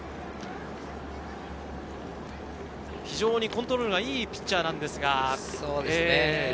非常にコントロールがいいピッチャーなんですが。